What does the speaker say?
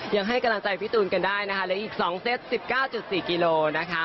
ยังให้กำลังใจพี่ตูนกันได้นะคะเหลืออีก๒เซต๑๙๔กิโลนะคะ